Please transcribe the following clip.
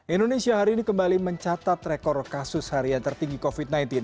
indonesia hari ini kembali mencatat rekor kasus harian tertinggi covid sembilan belas